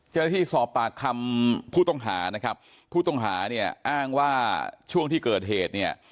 เจ้าหน้าที่สอบปากคำผู้ต้องหานะครับผู้ต้องหาเนี่ยอ้างว่าช่วงที่เกิดเหตุเนี่ย